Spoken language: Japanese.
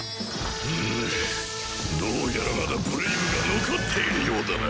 どうやらまだブレイブが残っているようだな！